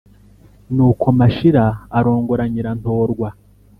nuko mashira arongora nyirantorwa,